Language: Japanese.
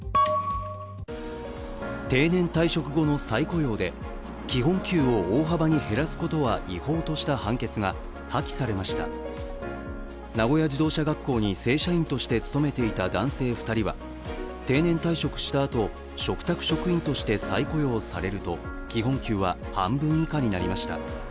定年退職後の再雇用で、基本給を大幅に減らすことは違法とした判決が破棄されました名古屋自動車学校に正社員として勤めていた男性２人は定年退職したあと、嘱託職員として再雇用されると基本給は半分以下になりました。